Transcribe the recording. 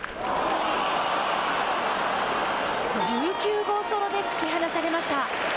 １９号ソロで突き放されました。